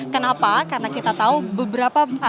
kenapa karena kita tahu beberapa